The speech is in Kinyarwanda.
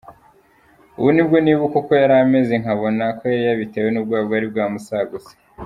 Ubu nibwo nibuka uko yari ameze nkabona ko yari yabitewe n’ubwoba bwari bwamusagutse.